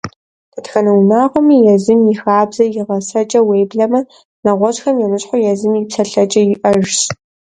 Дэтхэнэ унагъуэми езым и хабзэ, и гъэсэкӀэ, уеблэмэ, нэгъуэщӀхэм емыщхьу, езым и псэлъэкӀэ иӀэжщ.